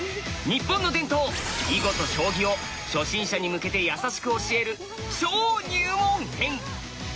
日本の伝統囲碁と将棋を初心者に向けてやさしく教える超入門編！